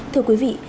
thưa quý vị